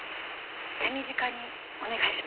手短にお願いします。